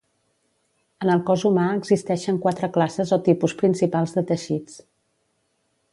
En el cos humà existeixen quatre classes o tipus principals de teixits